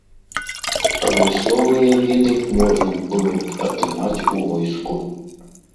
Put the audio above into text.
Адмысловыя веды можна было б атрымаць у войску.